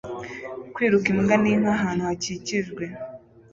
Kwiruka imbwa n'inka ahantu hakikijwe